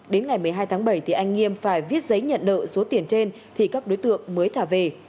đến ngày một mươi hai tháng bảy thì anh nghiêm phải viết giấy nhận nợ số tiền trên thì các đối tượng mới thả về